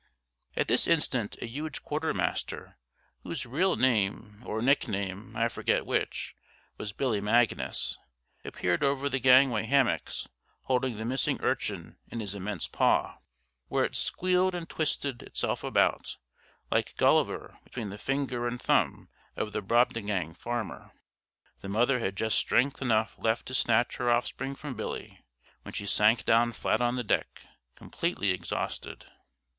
At this instant a huge quarter master, whose real name or nickname (I forget which) was Billy Magnus, appeared over the gangway hammocks, holding the missing urchin in his immense paw, where it squealed and twisted itself about, like Gulliver between the finger and thumb of the Brobdingnag farmer. The mother had just strength enough left to snatch her offspring from Billy, when she sank down flat on the deck, completely exhausted.